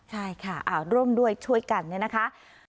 ใช่ค่ะร่วมด้วยช่วยกันเนี่ยนะคะ